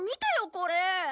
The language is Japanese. これ。